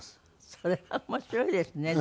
それは面白いですねでもね。